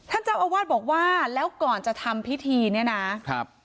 ท่านเจ้าอาวาสบอกว่าแล้วก่อนจะทำพิธีเนี่ยนะครับ